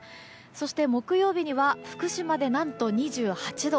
そして木曜日には福島で何と２８度。